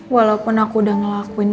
walaupun aku udah ngelakuin